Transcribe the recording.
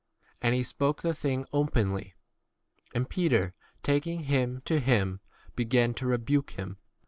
32 And he spoke the thing a openly. And Peter, taking him to [him], 33 began to rebuke him.